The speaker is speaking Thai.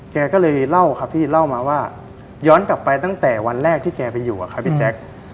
แกก็เลยเล่าครับพี่เล่ามาว่าย้อนกลับไปตั้งแต่วันแรกที่แกไปอยู่อะครับพี่แจ๊ค